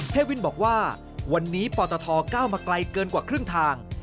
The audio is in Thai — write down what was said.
วินบอกว่าวันนี้ปตทก้าวมาไกลเกินกว่าครึ่งทาง